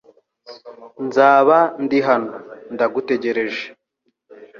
Nzaba ndi hano ndagutegereje .